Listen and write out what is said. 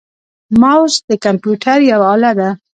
موس د کمپیوټر یوه اله ده.